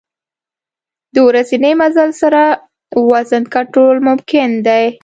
د ورځني مزل سره وزن کنټرول ممکن دی.